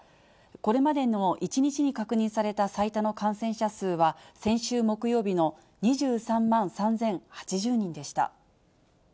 これまでの１日に確認された最多の感染者数は先週木曜日の２３万